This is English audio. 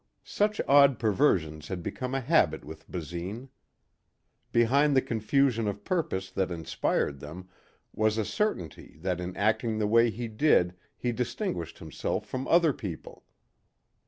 Such odd perversions had become a habit with Basine. Behind the confusion of purpose that inspired them was a certainty that in acting the way he did he distinguished himself from other people.